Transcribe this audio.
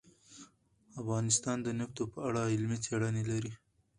افغانستان د نفت په اړه علمي څېړنې لري.